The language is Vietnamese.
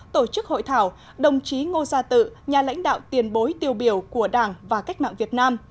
tổ chức hội thảo đồng chí ngô gia tự nhà lãnh đạo tiền bối tiêu biểu của đảng và cách mạng việt nam